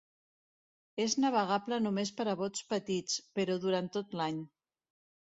És navegable només per bots petits, però durant tot l'any.